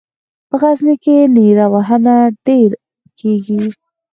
په غزني کې نیره وهنه ډېره کیږي.